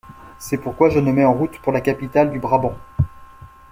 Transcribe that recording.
C'est pourquoi je me mets en route pour la capitale du Brabant.